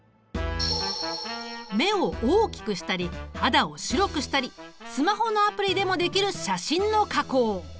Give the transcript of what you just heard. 目を大きくしたり肌を白くしたりスマホのアプリでもできる写真の加工。